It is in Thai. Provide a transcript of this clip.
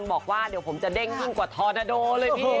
บอกว่าเดี๋ยวผมจะเด้งยิ่งกว่าทอนาโดเลยพี่